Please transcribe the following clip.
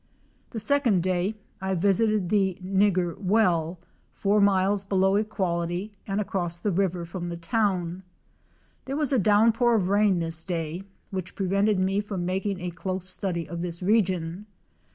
257 The second day I visited the "Nigger Well," four miles below Equality and across the rivor from the town. There was a downpour of rain this day which prevented me from making a close study of this region.